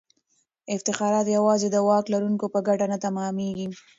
افتخارات یوازې د واک لرونکو په ګټه نه تمامیږي.